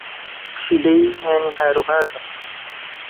پشیلەی یانی ھاروھاجە.